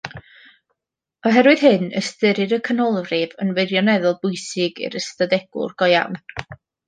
Oherwydd hyn, ystyrir y canolrif yn wirioneddol bwysig i'r ystadegwr go iawn.